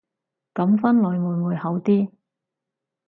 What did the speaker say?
噉分類會唔會好啲